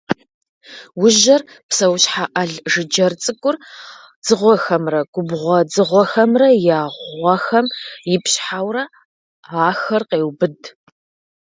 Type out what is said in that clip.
Ужьэр, псэущхьэ ӏэл жыджэр цӏыкӏур, дзыгъуэхэмрэ губгъуэ дзыгъуэхэмрэ я гъуэхэм ипщхьэурэ ахэр къеубыд.